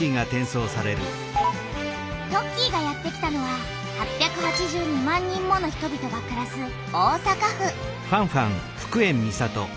トッキーがやってきたのは８８２万人もの人々がくらす大阪府。